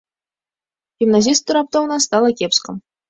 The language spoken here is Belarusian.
Гімназісту раптоўна стала кепска.